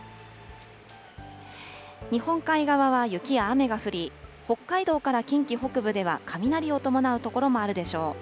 日本海側は雪や雨が降り、北海道から近畿北部では雷を伴う所もあるでしょう。